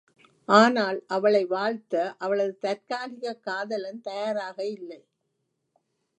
ஆனால், அவளை வாழ்த்த அவளது தற்காலிகக் காதலன் தயாராக இல்லை!